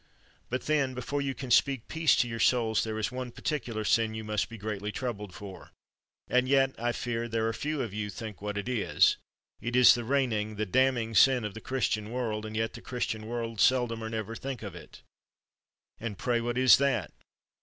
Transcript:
But then, before you can speak peace to your souls, there is one particular sin you must be greatly troubled for, and yet I fear there are few of you think what it is; it is the reigning, the damning sin of the Christian world, and yet the Christian world seldom or never think of it. And pray what is that?